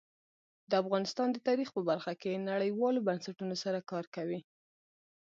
افغانستان د تاریخ په برخه کې نړیوالو بنسټونو سره کار کوي.